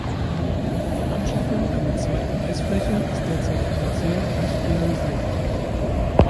Die Anschaffung einer zweiten Eisfläche ist derzeit finanziell nicht realisierbar.